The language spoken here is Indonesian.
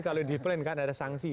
kalau disiplin kan ada sanksi